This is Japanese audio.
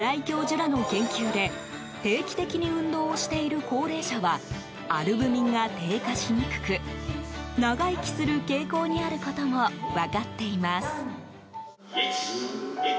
新井教授らの研究で定期的に運動をしている高齢者はアルブミンが低下しにくく長生きする傾向にあることも分かっています。